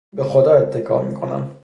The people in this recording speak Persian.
به خدا اتکا میکنم.